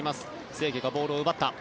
清家がボールを奪った。